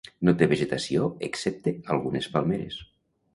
No té vegetació excepte algunes palmeres.